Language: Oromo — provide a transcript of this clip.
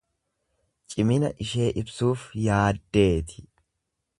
Cimina ishee ibsuuf yaaddeeti.